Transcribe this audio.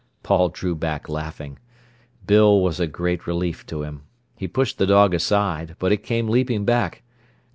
Paul drew back, laughing. Bill was a great relief to him. He pushed the dog aside, but it came leaping back.